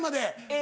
え